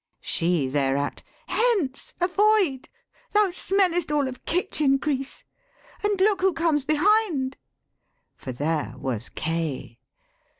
She thereat, 'Hence! Avoid, thou smellest all of kitchen grease. And look who comes behind,' for there was Kay.